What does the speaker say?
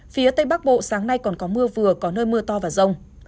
phía tây bắc bộ sáng nay còn có mưa vừa có nơi mưa to và rông